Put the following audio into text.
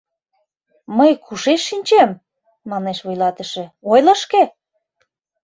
— Мый кушеч шинчем, — манеш вуйлатыше, — ойло шке...